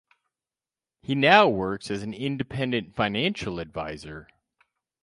He now works as an independent financial advisor.